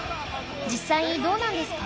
実際どうなんですか？